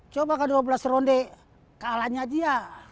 coba ke dua belas ronde kalahnya dia